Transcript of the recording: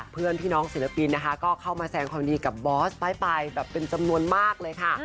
เพื่อนพี่น้องศิลปินนะคะก็เข้ามาแสงความดีกับบอสป้ายแบบเป็นจำนวนมากเลยค่ะ